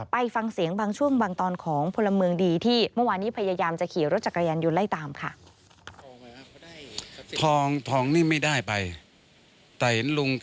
ไปฟังเสียงบางช่วงบางตอนของพลเมืองดีที่